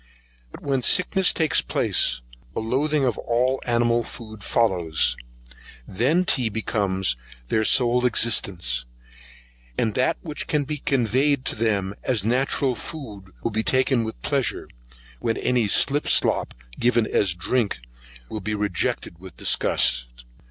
But when sickness takes place, a loathing of all animal food follows; then tea becomes their sole existence, and that which can be conveyed to them as natural food will be taken with pleasure, when any slip slop, given as drink, will be rejected with disgust.